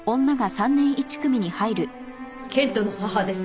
研人の母です。